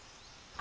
あ。